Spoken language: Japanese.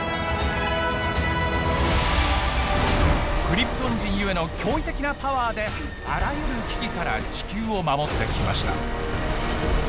クリプトン人ゆえの驚異的なパワーであらゆる危機から地球を守ってきました。